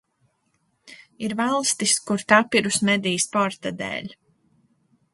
Ir valstis, kur tapirus medī sporta dēļ.